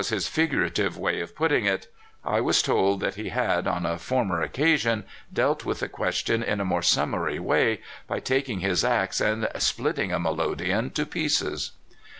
Jones. This was his figurative way of putting it. I was told that he had, on a former occasion, dealt with the question in a more summary way, by taking his ax and splitting a melodeon to pieces.